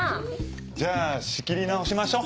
じゃあ仕切り直しましょう。